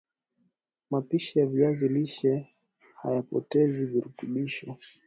mapishi ya viazi lishe haypotezi virutubisho